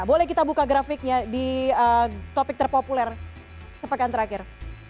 boleh kita buka grafiknya di topik terpopuler sepekan terakhir